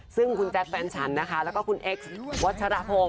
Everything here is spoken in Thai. ซึ่งคุณแจ๊คแฟนฉันนะคะแล้วก็คุณเอ็กซ์วัชรพงศ